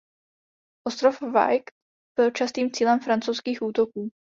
Ostrov Wight byl častým cílem francouzských útoků.